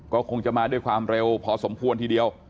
ก็คงจะมาด้วยความเร็วพอสมควรทีเดียว